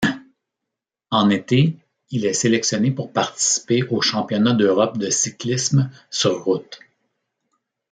En été, il est sélectionné pour participer aux championnats d'Europe de cyclisme sur route.